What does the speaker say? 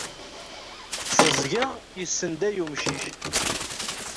Teẓẓgeɣ, yessenday umcic.